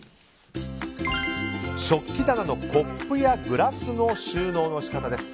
食器棚のコップやグラスの収納の仕方です。